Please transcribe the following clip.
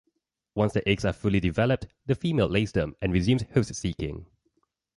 Once the eggs are fully developed, the female lays them and resumes host-seeking.